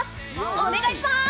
お願いしまーす！